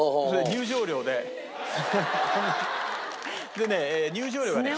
でね入場料がね